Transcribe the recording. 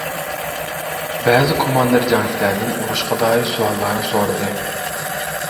بەزى كوماندىر-جەڭچىلەردىن ئۇرۇشقا دائىر سوئاللارنى سورىدى.